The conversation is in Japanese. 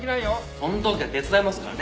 「その時は手伝いますからね」